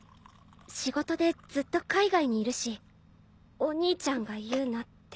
仕事でずっと海外にいるしお兄ちゃんが言うなって。